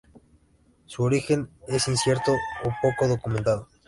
Su origen es incierto o poco documentado.